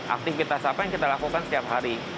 aktivitas apa yang kita lakukan setiap hari